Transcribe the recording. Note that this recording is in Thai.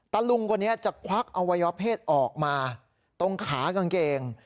ลุงคนนี้จะควักอวัยวะเพศออกมาตรงขากางเกง